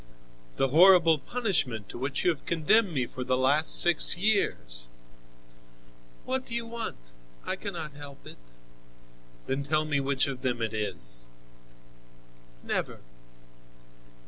"The horrible punishment to which you have condemned me for the last six years?" "What do you want? I cannot help it." "Then tell me which of them it is." "Never."